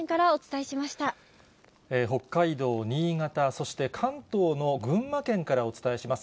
北海道、新潟、そして関東の群馬県からお伝えします。